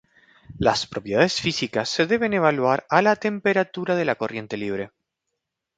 Las propiedades físicas se deben evaluar a la temperatura de la corriente libre.